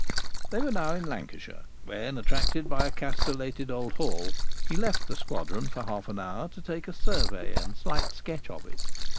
They were now in Lancashire, when, attracted by a castellated old hall, he left the squadron for half an hour to take a survey and slight sketch of it.